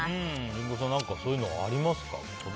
リンゴさんそういうのありますか？